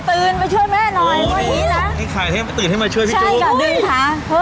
ตื่นไปช่วยแม่หน่อยเพราะนี้นะ